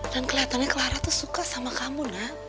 dan keliatannya clara itu suka sama kamu